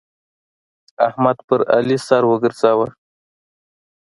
احمد پر علي سر وګرځاوو.